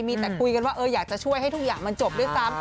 มีแต่คุยกันว่าอยากจะช่วยให้ทุกอย่างมันจบด้วยซ้ำ